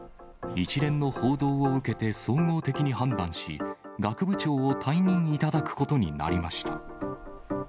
一連の報道を受けて、総合的に判断し、学部長を退任頂くことになりました。